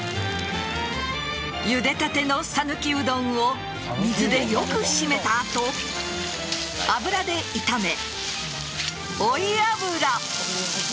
ゆでたての讃岐うどんを水でよく締めた後油で炒め、追い油。